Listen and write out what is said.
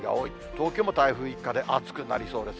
東京も台風一過で暑くなりそうです。